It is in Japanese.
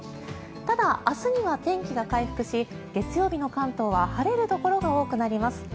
ただ、明日には天気が回復し月曜日の関東は晴れるところが多くなります。